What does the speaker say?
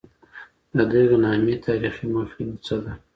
د دغي نامې تاریخي مخینه څه ده؟